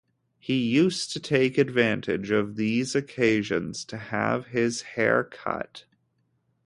He used to take advantage of these occasions to have his hair cut.